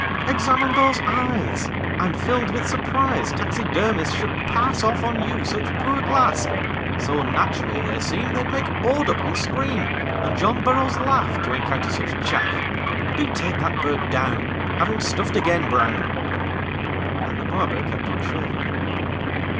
"Examine those eyes. I'm filled with surprise Taxidermists should pass Off on you such poor glass; So unnatural they seem They'd make Audubon scream, And John Burroughs laugh To encounter such chaff. Do take that bird down; Have him stuffed again, Brown!" And the barber kept on shaving.